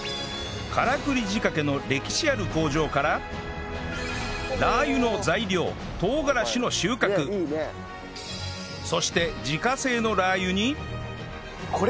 からくり仕掛けの歴史ある工場からラー油の材料そして自家製のラー油に